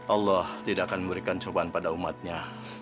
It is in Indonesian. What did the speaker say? allah tidak akan memberikan cobaan pada umatnya